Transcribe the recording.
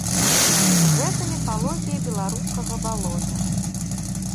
Гэта міфалогія беларускага балота.